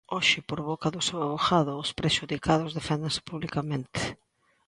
Hoxe, por boca do seu avogado, os prexudicados deféndense publicamente.